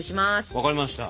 わかりました。